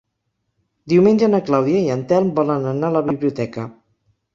Diumenge na Clàudia i en Telm volen anar a la biblioteca.